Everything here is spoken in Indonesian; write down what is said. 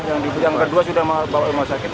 yang kedua sudah bawa rumah sakit